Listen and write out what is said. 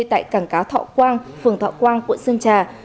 tại cảng cá thọ quang phường thọ quang quận sơn trà